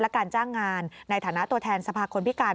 และการจ้างงานในฐานะตัวแทนสภาคนพิการ